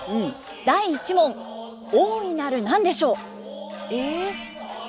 第１問大いなる何でしょう？え？